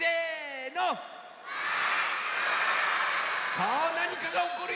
さあなにかがおこるよ！